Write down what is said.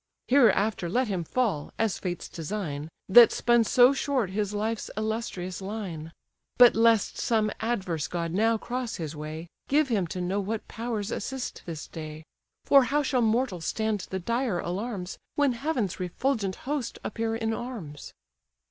Hereafter let him fall, as Fates design, That spun so short his life's illustrious line: But lest some adverse god now cross his way, Give him to know what powers assist this day: For how shall mortal stand the dire alarms, When heaven's refulgent host appear in arms?"